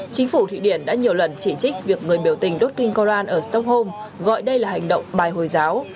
chính phủ thụy điển đã nhiều lần chỉ trích việc người biểu tình đốt kinh koran ở stockholm gọi đây là hành động bài hồi giáo